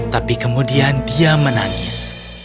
tapi kemudian dia menangis